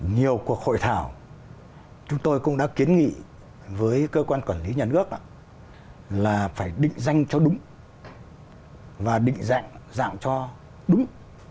nhiều cuộc hội thảo chúng tôi cũng đã kiến nghị với cơ quan quản lý nhà nước là phải định danh cho đúng và định dạng cho đúng